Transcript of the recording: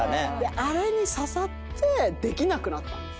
あれに刺さってできなくなったんです。